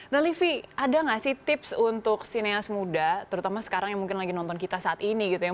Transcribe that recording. nah livi ada nggak sih tips untuk sineas muda terutama sekarang yang mungkin lagi nonton kita saat ini gitu ya